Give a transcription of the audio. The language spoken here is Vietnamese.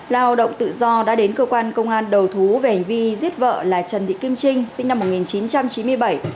lao động tự do đã đến cơ quan công an đầu thú về hành vi giết vợ là trần thị kim trinh sinh năm một nghìn chín trăm chín mươi bảy